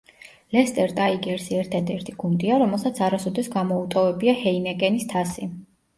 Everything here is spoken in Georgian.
ლესტერ ტაიგერსი ერთადერთი გუნდია, რომელსაც არასოდეს გამოუტოვებია ჰეინიკენის თასი.